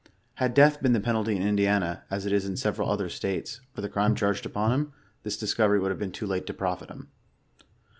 Had death been the penalty in Indiana, as it is in several other . states, for the crime charged upon him, this discovery would have been too late to profit him.